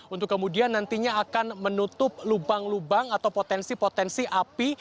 untuk kemudian nantinya akan menutup lubang lubang atau potensi potensi api